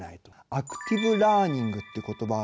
「アクティブラーニング」という言葉